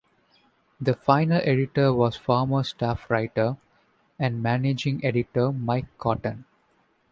The final editor was former staff writer and managing editor Mike Cotton.